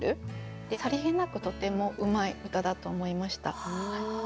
さりげなくとてもうまい歌だと思いました。